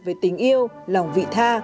về tình yêu lòng vị tha